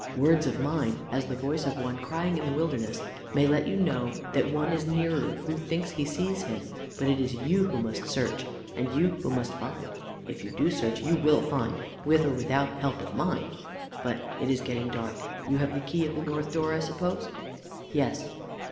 Words of mine, as the voice of one crying in the wilderness, may let you know that one is near who thinks he sees him, but it is you who must search, and you who must find. If you do search, you will find, with or without help of mine. But it is getting dark. You have the key of the north door, I suppose?" "Yes."